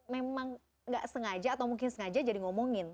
memang nggak sengaja atau mungkin sengaja jadi ngomongin